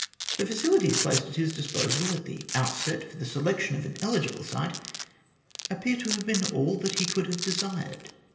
The facilities placed at his disposal at the outset for the selection of an eligible site appear to have been all that he could have desired.